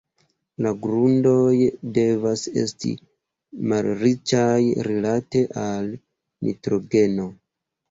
La grundoj devas esti malriĉaj rilate al nitrogeno.